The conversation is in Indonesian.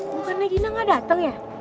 bukan gina ga dateng ya